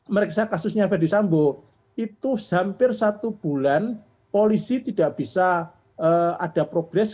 memeriksa kasusnya fd sambo itu hampir satu bulan polisi tidak bisa ada progres